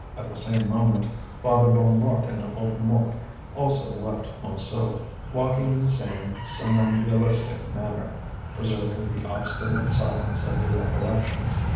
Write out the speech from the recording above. At the same moment Father Bonnemort and old Mouque also left Montsou, walking in the same somnambulistic manner, preserving the obstinate silence of their recollections.